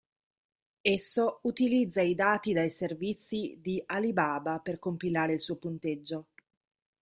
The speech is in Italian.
Esso utilizza i dati dai servizi di Alibaba per compilare il suo punteggio.